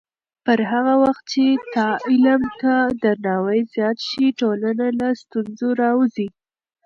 پر هغه وخت چې علم ته درناوی زیات شي، ټولنه له ستونزو راووځي.